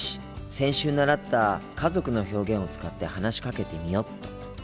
先週習った家族の表現を使って話しかけてみよっと。